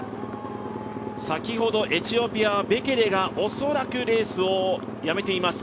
先ほど、エチオピアはベケレが恐らくレースをやめています。